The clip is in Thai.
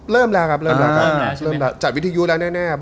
เริ่มแล้วครับจัดวิทยุแล้วแน่